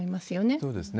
そうですね。